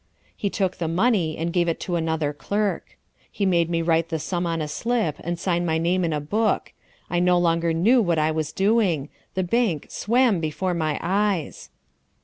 He took the money and gave it to another clerk. He made me write the sum on a slip and sign my name in a book. I no longer knew what I was doing. The bank swam before my eyes.